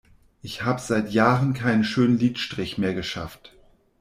Ich hab seit Jahren keinen schönen Lidstrich mehr geschafft.